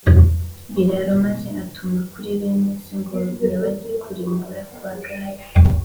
biraro maze atuma kuri bene se ngo nibajye kurimbura kwa Gahaya